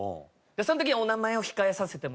その時にお名前を控えさせてもらって。